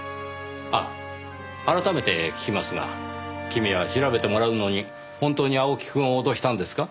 ああ改めて聞きますが君は調べてもらうのに本当に青木くんを脅したんですか？